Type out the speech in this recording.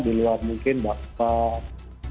di luar mungkin bakar